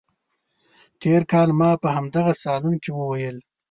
تېر کال ما په همدغه صالون کې وویل.